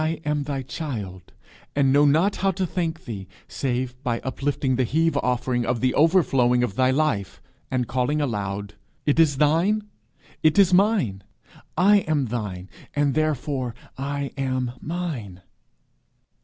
I am thy child, and know not how to thank thee save by uplifting the heave offering of the overflowing of thy life, and calling aloud, 'It is thine: it is mine. I am thine, and therefore I am mine.'"